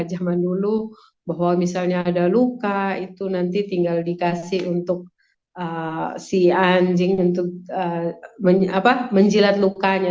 zaman dulu bahwa misalnya ada luka itu nanti tinggal dikasih untuk si anjing untuk menjilat lukanya